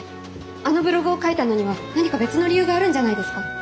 あのブログを書いたのには何か別の理由があるんじゃないですか？